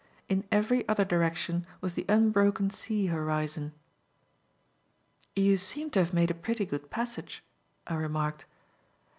In every other direction was the unbroken sea horizon. "You seem to have made a pretty good passage," I remarked.